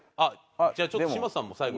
じゃあちょっと嶋佐さんも最後。